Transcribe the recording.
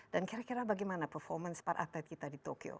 dan kira kira bagaimana performance para aktif kita di tokyo